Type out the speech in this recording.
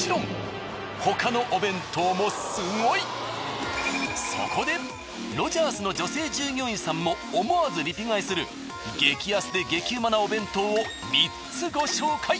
もちろんそこでロヂャースの女性従業員さんも思わずリピ買いする激安で激ウマなお弁当を３つご紹介。